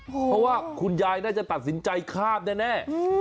เพราะว่าคุณยายน่าจะตัดสินใจข้ามแน่